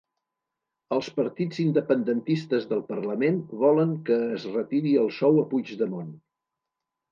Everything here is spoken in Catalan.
Els partits independentistes del parlament volen que es retiri el sou a Puigdemont